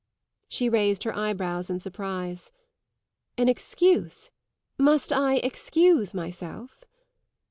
She raised her eyebrows in surprise. "An excuse? Must I excuse myself?"